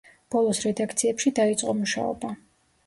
ბოლოს რედაქციებში დაიწყო მუშაობა.